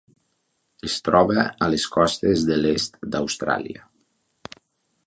Es troba a les costes de l'est d'Austràlia.